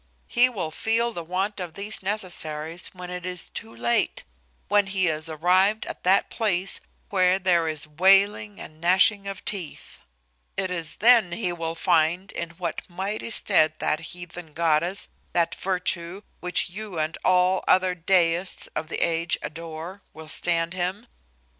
He will feel the want of these necessaries when it is too late, when he is arrived at that place where there is wailing and gnashing of teeth. It is then he will find in what mighty stead that heathen goddess, that virtue, which you and all other deists of the age adore, will stand him.